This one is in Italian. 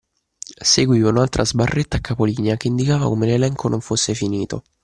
Seguiva un'altra sbarretta a capo linea, che indicava come l'elenco non fosse finito